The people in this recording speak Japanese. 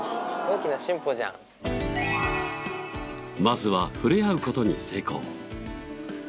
まずは触れ合う事に成功。